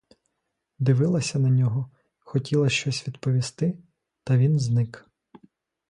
Дивилася на нього, хотіла щось відповісти, та він зник.